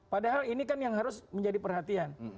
padahal ini kan yang harus menjadi perhatian